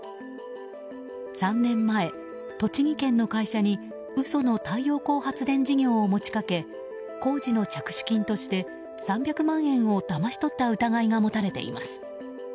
３年前、栃木県の会社に嘘の太陽光発電事業を持ち掛け工事の着手金として３００万円をだまし取った疑いが持たれています。